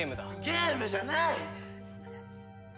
ゲームじゃない！